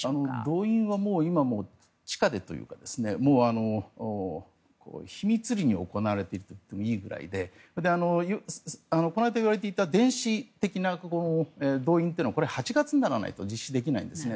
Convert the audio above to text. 動員は今、地下でというか秘密裏に行われているといってもいいぐらいでこないだ言われていた電子的な動員というのはこれ、８月にならないと実施できないんですね。